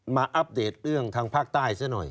อัปเดตเรื่องทางภาคใต้ซะหน่อย